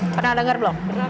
pernah dengar belum